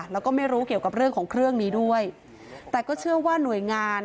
แล้วก็ไม่รู้เกี่ยวกับเรื่องของเครื่องนี้ด้วยแต่ก็เชื่อว่าหน่วยงาน